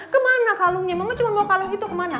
kemana kalungnya mama cuma bawa kalung itu kemana